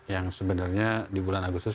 yang sebenarnya di bulan agustus